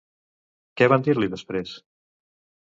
Què van dir-li després?